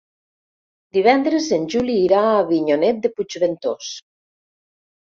Divendres en Juli irà a Avinyonet de Puigventós.